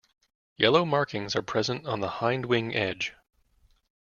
Yellow markings are present on the hindwing edge.